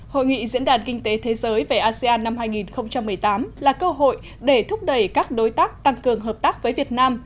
hội nghị diễn đàn kinh tế thế giới về asean năm hai nghìn một mươi tám là cơ hội để thúc đẩy các đối tác tăng cường hợp tác với việt nam